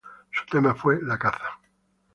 Su tema fue la caza.